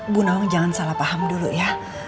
bu nawang jangan salah paham dulu ya